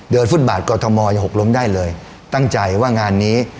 ฟุตบาทกอทมหกล้มได้เลยตั้งใจว่างานนี้